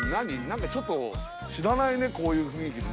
なんかちょっと知らないねこういう雰囲気の。